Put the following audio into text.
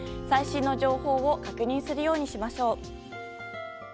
最新の情報を確認するようにしましょう。